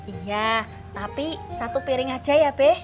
iya tapi satu piring aja ya be